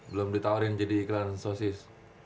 belum ditawarin jadi iklan sosis